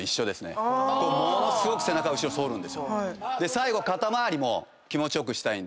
最後肩回りも気持ち良くしたい。